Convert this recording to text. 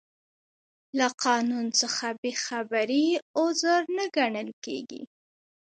له قانون څخه بې خبري عذر نه ګڼل کیږي.